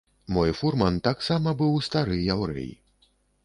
Мой фурман таксама быў стары яўрэй.